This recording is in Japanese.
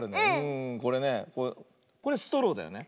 これねこれストローだよね。